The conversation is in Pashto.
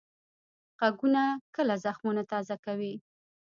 غږونه کله زخمونه تازه کوي